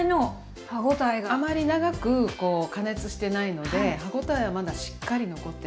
あまり長く加熱してないので歯応えはまだしっかり残ってます。